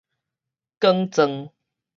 捲旋